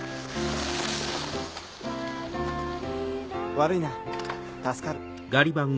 悪いな助かる。